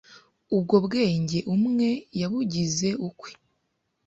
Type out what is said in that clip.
Ubwo bwenge umwe yabugize ukwe